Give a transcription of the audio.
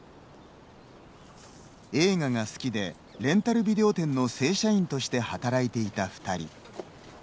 映画が好きでレンタルビデオ店の正社員として働いていた２人。